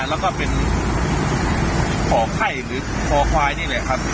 แล้วก็เป็นคอไข้หรือคอควายนี่แหละครับ